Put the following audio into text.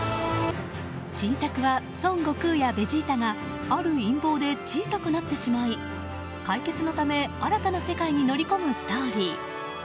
新作は孫悟空やベジータがある陰謀で小さくなってしまい解決のため新たな世界に乗り込むストーリー。